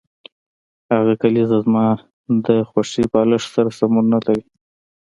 هغه کلیزه زما د خوښې بالښت سره سمون نلري